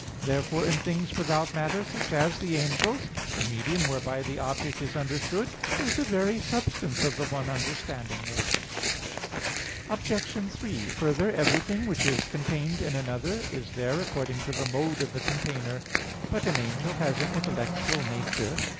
Therefore in things without matter, such as the angels, the medium whereby the object is understood is the very substance of the one understanding it. Obj. 3: Further, everything which is contained in another is there according to the mode of the container. But an angel has an intellectual nature.